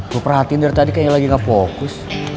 gue perhatiin dari tadi kayaknya lagi gak fokus